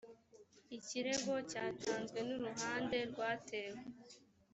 ikirego cyatanzwe n’uruhande rwatewe